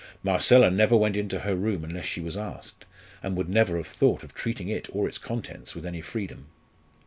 Marcella never went into her room unless she was asked, and would never have thought of treating it or its contents with any freedom.